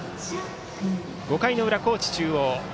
５回の裏、高知中央。